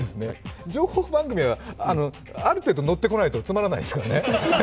情報番組はある程度乗ってこないとつまらないですからね。